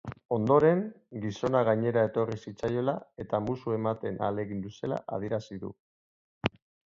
Ondoren, gizona gainera etorri zitzaiola eta musu ematen ahalegindu zela adierazi du.